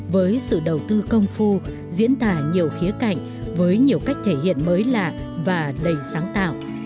với sự đầu tư công phu diễn tả nhiều khía cạnh với nhiều cách thể hiện mới lạ và đầy sáng tạo